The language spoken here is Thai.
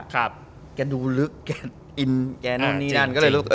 แกดูลึกแกนั่นนี่นั่น